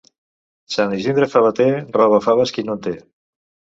Sant Isidre favater, roba faves qui no en té.